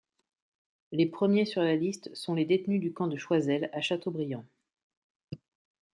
Les premiers sur la liste sont les détenus du camp de Choisel, à Châteaubriant.